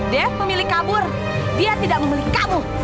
dev memilih kabur dia tidak membeli kamu